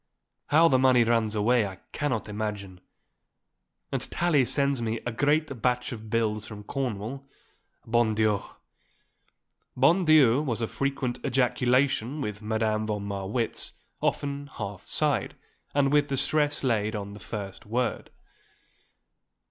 How the money runs away I cannot imagine. And Tallie sends me a great batch of bills from Cornwall, bon Dieu!" Bon Dieu was a frequent ejaculation with Madame von Marwitz, often half sighed, and with the stress laid on the first word.